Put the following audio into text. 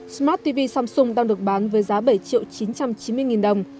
smart tv samsung đang được bán với giá bảy triệu chín trăm chín mươi nghìn đồng